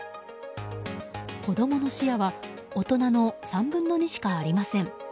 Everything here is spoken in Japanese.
子供の視野は大人の３分の２しかありません。